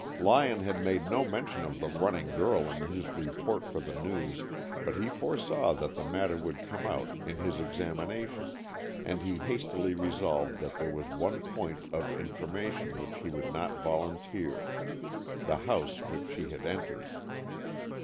Lyon had made no mention of the running girl in his report for the News, but he foresaw that that matter would come out in his examination, and he hastily resolved that there was one point of information which he would not volunteer, the house which she had entered.